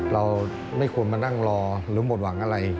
เราไม่ควรมานั่งรอหรือหมดหวังอะไร